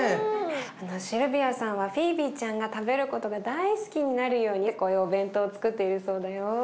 シルビアさんはフィービーちゃんが食べることが大好きになるようにこういうお弁当をつくっているそうだよ。